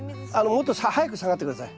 もっと早く下がって下さい。